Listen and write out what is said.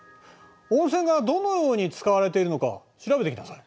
温泉がどのように使われているのか調べてきなさい。